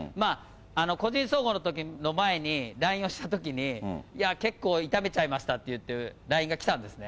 個人総合のときの前に、ＬＩＮＥをしたときに、いや、結構痛めちゃいましたっていうＬＩＮＥが来たんですね。